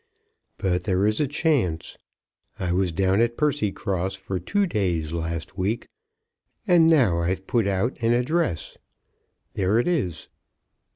But there is a chance. I was down at Percycross for two days last week, and now I've put out an address. There it is."